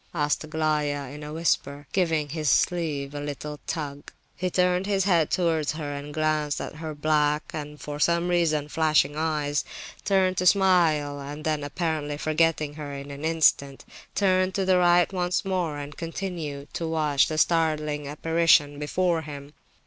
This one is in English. asked Aglaya, in a whisper, giving his sleeve a little tug. He turned his head towards her and glanced at her black and (for some reason) flashing eyes, tried to smile, and then, apparently forgetting her in an instant, turned to the right once more, and continued to watch the startling apparition before him.